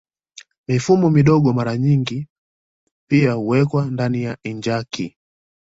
Mifugo midogo mara nyingi pia huwekwa ndani ya enkaji